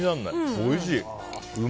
おいしい。